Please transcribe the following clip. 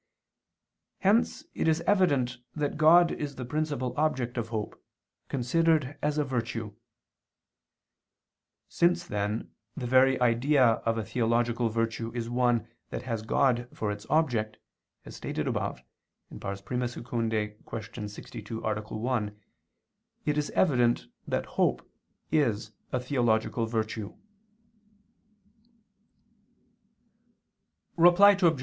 Hence it is evident that God is the principal object of hope, considered as a virtue. Since, then, the very idea of a theological virtue is one that has God for its object, as stated above (I II, Q. 62, A. 1), it is evident that hope is a theological virtue. Reply Obj.